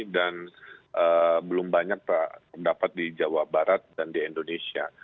dan belum banyak terdapat di jawa barat dan di indonesia